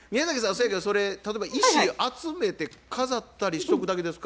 そやけどそれ例えば石集めて飾ったりしとくだけですか？